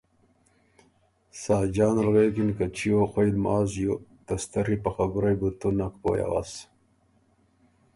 ساجان ال غوېکِن که ”چیو خوئ لماز یو، ته ستری په خبُرئ بُو تُو نک پویٛ اوَس“